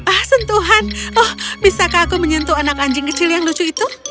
ah sentuhan oh bisakah aku menyentuh anak anjing kecil yang lucu itu